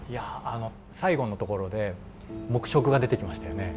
最後のところで黙食が出てきましたよね。